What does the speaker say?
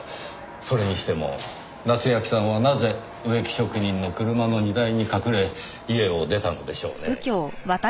それにしても夏焼さんはなぜ植木職人の車の荷台に隠れ家を出たのでしょうねぇ。